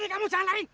sini kamu jangan lari